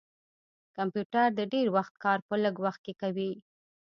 کمپیوټر د ډير وخت کار په لږ وخت کښې کوي